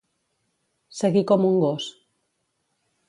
Seguir com un gos.